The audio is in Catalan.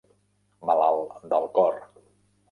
Malalt del cor